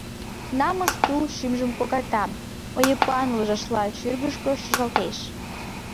Намыс тул шӱмжым когарта, ойыпан ложашла шӱргышкӧ шыжалтеш.